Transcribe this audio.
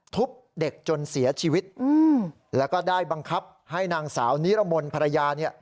ทุบเด็กจนเสียชีวิตแล้วก็ได้บังคับให้นางสาวนิรมนต์ภรรยาเนี่ย